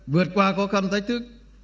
vượt qua khó khăn thách thức